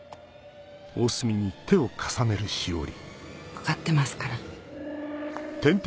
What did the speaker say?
分かってますから。